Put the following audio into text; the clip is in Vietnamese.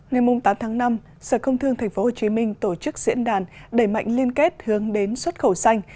ngày tám tháng năm sở công thương tp hcm tổ chức diễn đàn đẩy mạnh liên kết hướng đến xuất khẩu xanh